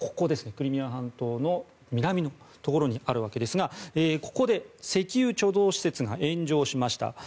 クリミア半島の南のところにあるわけですがここで石油貯蔵施設が炎上しました。